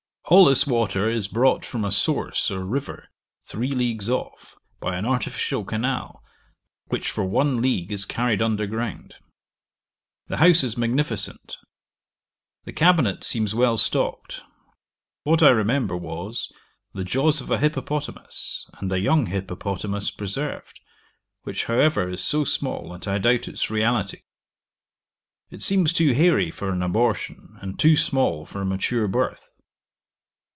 All this water is brought from a source or river three leagues off, by an artificial canal, which for one league is carried under ground. The house is magnificent. The cabinet seems well stocked: what I remember was, the jaws of a hippopotamus, and a young hippopotamus preserved, which, however, is so small, that I doubt its reality. It seems too hairy for an abortion, and too small for a mature birth.